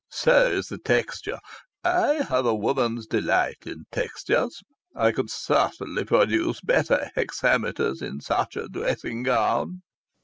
So is the texture. I have a woman's delight in textures. I could certainly produce better hexameters in such a dressing gown."